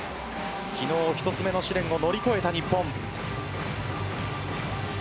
昨日１つ目の試練を乗り越えた日本。